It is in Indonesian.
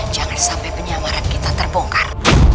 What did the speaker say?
jangan sampai penyamaran kita terbongkar